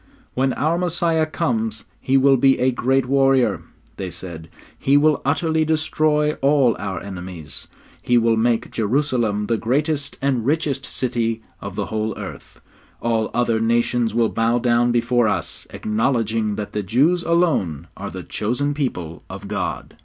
'When our Messiah comes He will be a great warrior,' they said. 'He will utterly destroy all our enemies. He will make Jerusalem the greatest and richest city in the whole earth; all other nations will bow down before us, acknowledging that the Jews alone are the chosen people of God.'